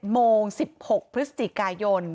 ๗โมง๑๖พกย